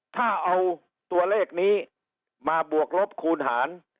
ถ้าเอาตัวเลขนี้มาบวกลบคูณหาร